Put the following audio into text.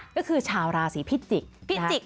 ก็คือชาวราศิพิกษิกษ์